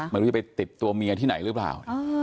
ไม่รู้จะไปติดตัวเมียที่ไหนหรือเปล่า